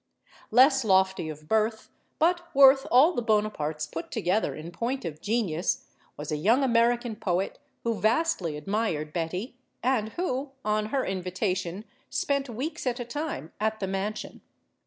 Less lofty of birth, but worth all the Bonapartes put together in point of genius, was a young American poet who vastly admired Betty, and who, on her in vitation, spent weeks at a time at the mansion.